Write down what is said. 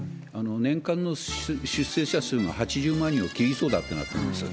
年間の出生者数が８０万人を切りそうになっていますよ。